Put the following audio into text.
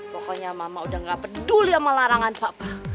pokoknya mama udah gak peduli sama larangan pak